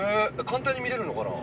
簡単に見れるのかな？